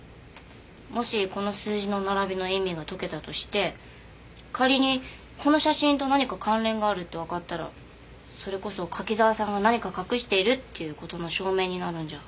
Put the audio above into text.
もしこの数字の並びの意味が解けたとして仮にこの写真と何か関連があるってわかったらそれこそ柿沢さんが何か隠しているっていう事の証明になるんじゃ。